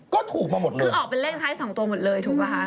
ก็ออกไปรถท้าย๒ตัวหมดเลย